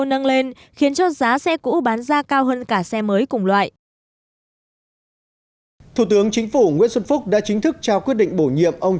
mới cùng loại thủ tướng chính phủ nguyễn xuân phúc đã chính thức trao quyết định bổ nhiệm ông